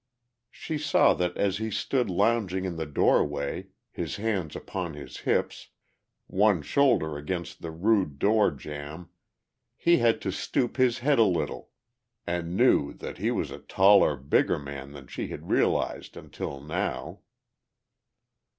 She saw that as he stood lounging in the doorway, his hands upon his hips, one shoulder against the rude door jamb, he had to stoop his head a little, and knew that he was a taller, bigger man than she had realized until now.